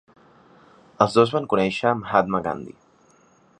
Els dos van conèixer Mahatma Gandhi.